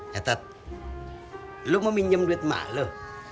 kak lu mau minjem duit mak lu